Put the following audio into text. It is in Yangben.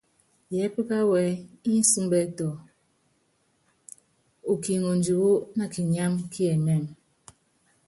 Yɛɛpí kááwu ɛ́ɛ́ ínsúmbɔ ɛtú, okiŋondi wú nakinyámú kiɛmɛ́ɛmɛ.